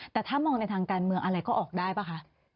แต่ถ้ามองในทางการเมืองอะไรก็ออกได้ป่ะคะ